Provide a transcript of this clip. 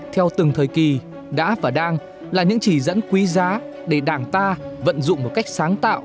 theo từng thời kỳ đã và đang là những chỉ dẫn quý giá để đảng ta vận dụng một cách sáng tạo